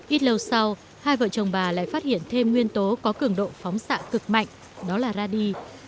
ít lâu sau hai vợ chồng bà lại phát hiện thêm nguyên tố có cường độ phóng xạ cực mạnh đó là radi